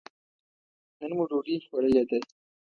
نن مو ډوډۍ خوړلې ده.